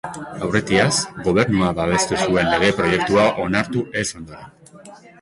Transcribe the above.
Aurretiaz, gobernua babestu zuen lege-proiektua onartu ez ondoren.